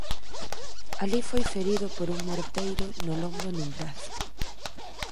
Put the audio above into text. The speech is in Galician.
Alí foi ferido por un morteiro no lombo e nun brazo.